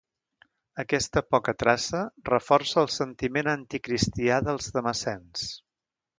Aquesta poca traça reforça el sentiment anticristià dels damascens.